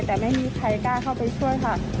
แต่ไม่มีใครกล้าเข้าไปช่วยค่ะ